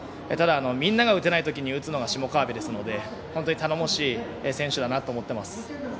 ただ、みんなが打てないときに打つのが下川邊ですので、本当に頼もしい選手だなと思っています。